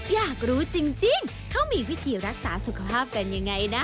อยากรู้จริงเขามีวิธีรักษาสุขภาพกันยังไงนะ